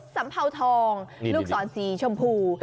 สัมเผาธองลูกสอนสีชมพู